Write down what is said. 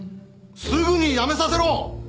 すぐにやめさせろ！